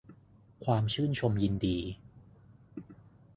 ความชื่นชมยินดี